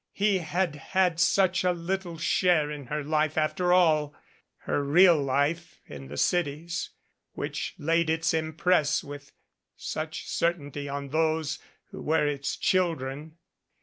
He had had such a little share in her life after all, her real life in the cities, which laid its impress with such certainty on those who were its children.